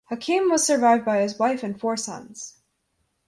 Hakim was survived by his wife and four sons.